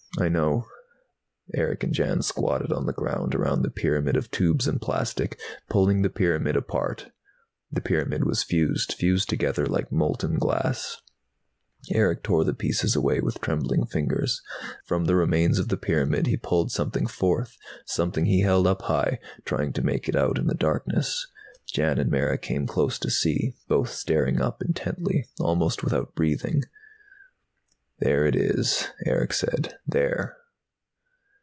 "I know." Erick and Jan squatted on the ground around the pyramid of tubes and plastic, pulling the pyramid apart. The pyramid was fused, fused together like molten glass. Erick tore the pieces away with trembling fingers. From the remains of the pyramid he pulled something forth, something he held up high, trying to make it out in the darkness. Jan and Mara came close to see, both staring up intently, almost without breathing. "There it is," Erick said. "There!"